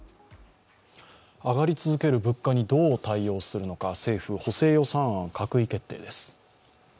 上がり続ける物価にどう対応するのか、政府、補正予算案を閣議決定です。